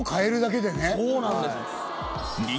そうなんです。